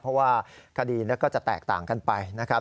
เพราะว่าคดีก็จะแตกต่างกันไปนะครับ